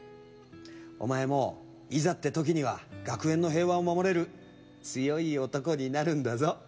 お前もいざって時には学園の平和を守れる強い男になるんだぞ。